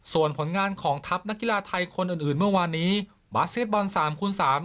ส่วนผลงานของทัพนักกีฬาไทยคนอื่นอื่นเมื่อวานนี้บาสเก็ตบอลสามคูณสาม